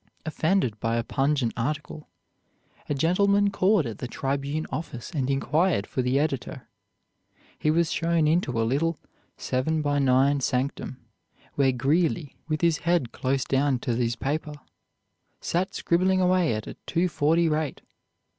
Offended by a pungent article, a gentleman called at the "Tribune" office and inquired for the editor. He was shown into a little seven by nine sanctum, where Greeley, with his head close down to his paper, sat scribbling away at a two forty rate.